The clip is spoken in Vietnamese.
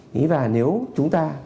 đấy và nếu chúng ta